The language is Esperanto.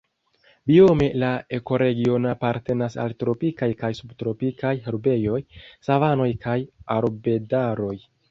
Biome la ekoregiono apartenas al tropikaj kaj subtropikaj herbejoj, savanoj kaj arbedaroj.